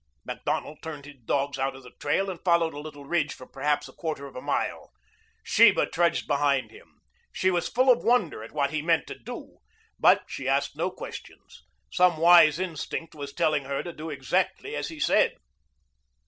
Macdonald turned his dogs out of the trail and followed a little ridge for perhaps a quarter of a mile. Sheba trudged behind him. She was full of wonder at what he meant to do, but she asked no questions. Some wise instinct was telling her to do exactly as he said.